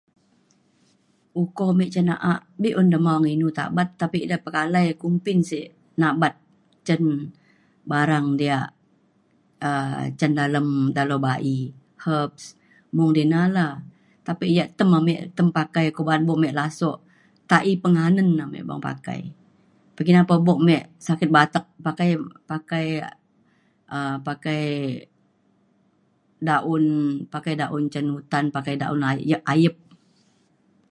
uko me cin na’a be’un dema inu tabat tapi ida pekalai kumbin sik nabat cen barang diak um cen dalem dalau ba’i herbs mung dina la. tapi yak tem ame tem pakai ko ba’an bo me lasok ta’i penganen ame beng pakai. pekina pa buk me sakit batek pakai pakai um pakai daun pakai daun cen hutan pakai dayun a- ayep.